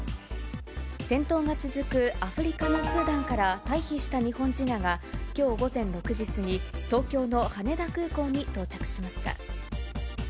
戦闘が続くアフリカのスーダンから退避した日本人らが、きょう午前６時過ぎ、東京の羽田空港に到着しました。